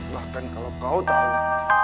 bahkan kalau kau tahu